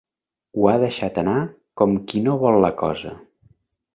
Ho ha deixat anar com qui no vol la cosa.